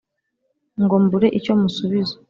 ngo mbure icyo musubiza